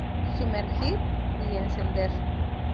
Sumergir, y encender.